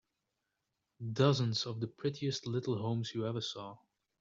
Dozens of the prettiest little homes you ever saw.